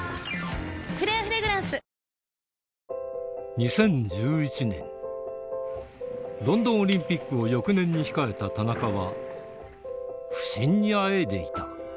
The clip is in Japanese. ２０１１年、ロンドンオリンピックを翌年に控えた田中は、不振にあえいでいた。